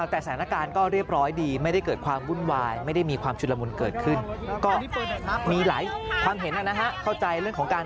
แต่สถานการณ์ก็เรียบร้อยดีไม่ได้เกิดความวุ่นวาย